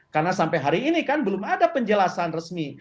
karena sampai hari ini kan belum ada penjelasan resmi